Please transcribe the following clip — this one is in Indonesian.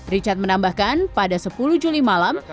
richard menambahkan pada sepuluh juli malam